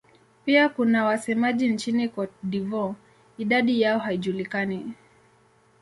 Pia kuna wasemaji nchini Cote d'Ivoire; idadi yao haijulikani.